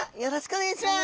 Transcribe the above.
お願いします。